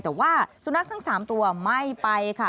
แต่ว่าสุนัขทั้ง๓ตัวไม่ไปค่ะ